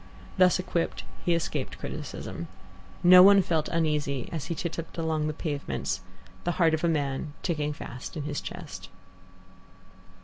Thus equipped, he escaped criticism. No one felt uneasy as he titupped along the pavements, the heart of a man ticking fast in his chest.